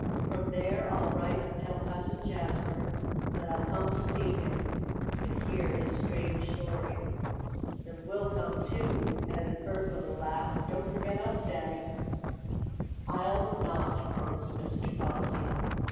"From there I'll write and tell Cousin Jasper that I'll come to see him, and hear his strange story." "And we'll come too," added Bert with a laugh. "Don't forget us, Daddy." "I'll not," promised Mr. Bobbsey.